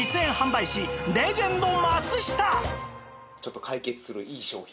人気のちょっと解決するいい商品